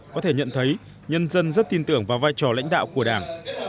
có thể nhận thấy nhân dân rất tin tưởng vào vai trò lãnh đạo của đảng